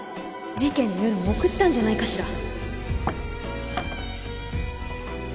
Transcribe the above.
事件の夜も送ったんじゃないかしら